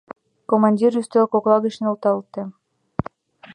— Командир ӱстел кокла гыч нӧлталте.